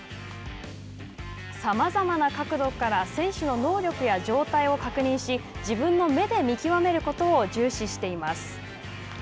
さまざまな角度から選手の能力や状態を確認し自分の目で見極めることを重視しています。